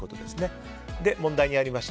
問題にありました